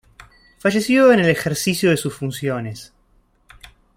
Falleció en el ejercicio de sus funciones.